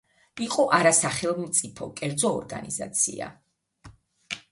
იყო არასახელმწიფო, კერძო ორგანიზაცია.